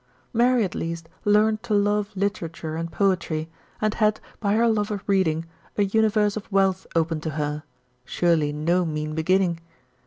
Mary at least learnt to love literature and poetry, and had, by her love of reading, a universe of wealth opened to her surely no mean beginning.